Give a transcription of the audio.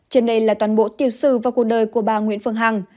trên đây là toàn bộ tiểu sử và cuộc đời của bà nguyễn phương hằng